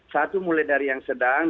satu mulai dari yang sedang